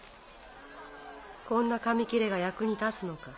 こんな紙切れが役に立つのか？